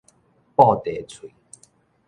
布袋喙